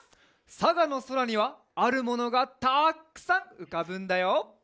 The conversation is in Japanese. さがのそらにはあるものがたっくさんうかぶんだよ。